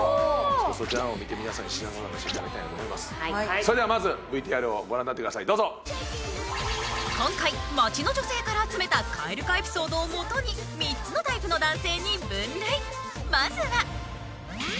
そちらのほうを見て皆さんに品定めしていただきたいなとそれではまずＶＴＲをご覧になってくださいどうぞ今回街の女性から集めたカエル化エピソードをもとに３つのタイプの男性に分類